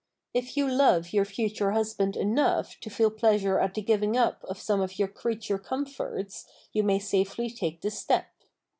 If you love your future husband enough to feel pleasure at the giving up of some of your creature comforts you may safely take the step.